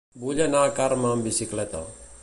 Vull anar a Carme amb bicicleta.